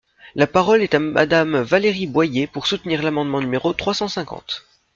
La parole est à Madame Valérie Boyer, pour soutenir l’amendement numéro trois cent cinquante.